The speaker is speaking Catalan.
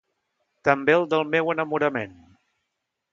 També el del meu enamorament.